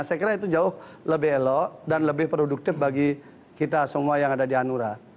saya kira itu jauh lebih elok dan lebih produktif bagi kita semua yang ada di hanura